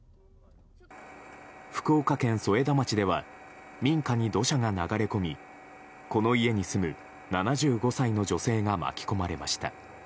福岡県添田町では民家に土砂が流れ込みこの家に住む７５歳の女性が巻き込まれました。